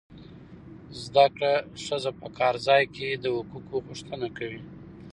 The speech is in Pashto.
زده کړه ښځه په کار ځای کې د حقوقو غوښتنه کوي.